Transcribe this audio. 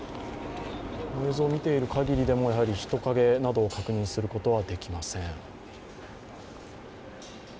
映像を見ている限りでも、人影など確認することはできません。